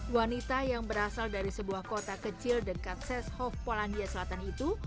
wanita yang berasal dari sebuah kota kecil dekat seshov polandia selatan itu